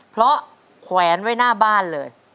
เพราะแขวนไว้หน้าบ้านเลย